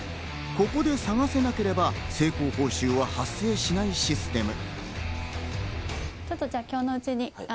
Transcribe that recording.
ここで探せなければ成功報酬は発生しないシステム。